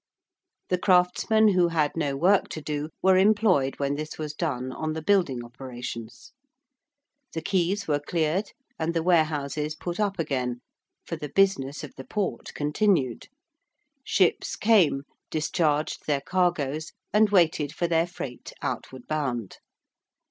The craftsmen who had no work to do, were employed when this was done on the building operations. The quays were cleared, and the warehouses put up again, for the business of the Port continued. Ships came, discharged their cargoes, and waited for their freight outward bound.